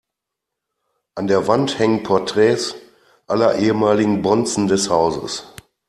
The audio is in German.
An der Wand hängen Porträts aller ehemaligen Bonzen des Hauses.